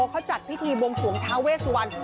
เขาจัดพิธีบวงสวงทาเวสวัน